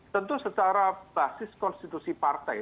tentu secara basis konstitusi partai